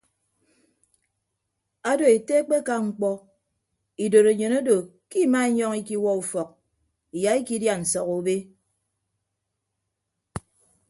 Ado ete akpeka mkpọ idorenyin odo ke ima inyọñ ikiwuọ ufọk iya ikịdia nsọk ubi.